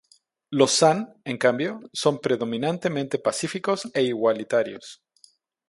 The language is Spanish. Los San, en cambio, son predominantemente pacíficos e igualitarios.